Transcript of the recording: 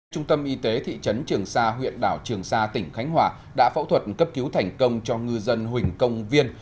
trung tâm y tế thị trấn trường sa huyện đảo trường sa tỉnh khánh hòa đã phẫu thuật cấp cứu thành công cho ngư dân huỳnh công viên